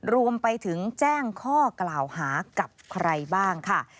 รวมไปถึงแจ้งข้อกล่าวหากับใครบ้างค่ะ